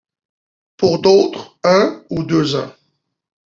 Pour d’autres, un ou deux ans.